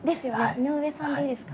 「井上さん」でいいですか？